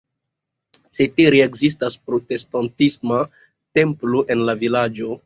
Cetere ekzistas protestantisma templo en la vilaĝo.